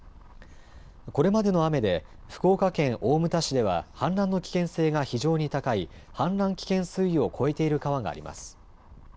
これまでの雨で、福岡県大牟田市では、氾濫の危険性が非常に高い、氾濫危険水位を超えている川があります。